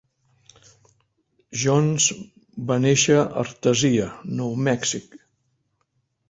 Jones va néixer a Artesia, Nou Mèxic.